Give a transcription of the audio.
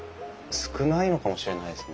少ないのかもしれないですね。